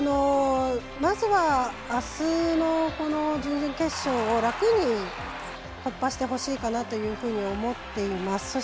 まずは、あすの準々決勝を楽に突破してほしいかなというふうに思っています。